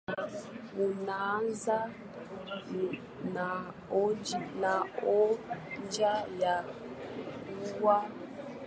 Inaanza na hoja ya kuwa muundo wa dunia ni wa tabaka mbalimbali.